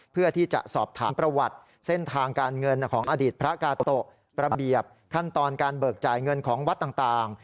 เพื่อที่จะสอบถามประวัติเส้นทางการเงินของอดีตพระกาโตะระเบียบขั้นตอนการเบิกจ่ายเงินของวัดต่าง